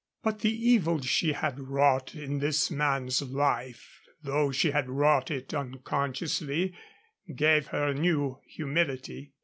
But the evil she had wrought in this man's life, though she had wrought it unconsciously, gave her a new humility.